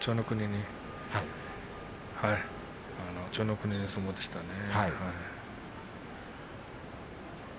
はい、千代の国の相撲でしたね。